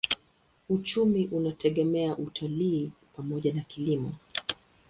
Uchumi unategemea utalii pamoja na kilimo.